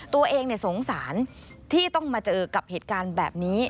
ตัวเองสงสารที่ต้องมาเจอกับเหตุการณ์แบบนี้